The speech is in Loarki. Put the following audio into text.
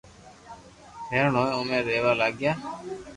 ھينرن او مي رھيوا لاگيو